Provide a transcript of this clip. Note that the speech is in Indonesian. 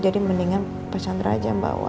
jadi mendingan pak chandra aja bawa